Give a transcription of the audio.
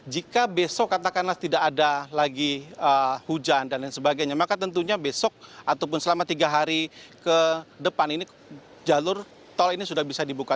jika besok katakanlah tidak ada lagi hujan dan lain sebagainya maka tentunya besok ataupun selama tiga hari ke depan ini jalur tol ini sudah bisa dibuka